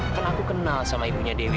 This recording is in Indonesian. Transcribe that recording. kan aku kenal sama ibunya dewi